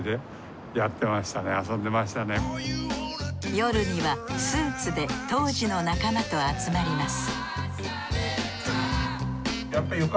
夜にはスーツで当時の仲間と集まります